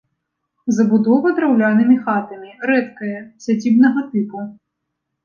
Забудова драўлянымі хатамі, рэдкая, сядзібнага тыпу.